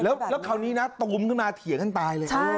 แล้วคราวนี้นะตูมขึ้นมาเถียงกันตายเลย